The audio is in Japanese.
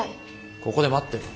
ここで待ってろ。